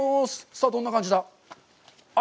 さあどんな感じだ。